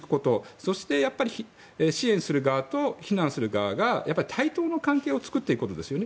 そして、支援する側と避難する側が対等の関係を作っていくことですよね。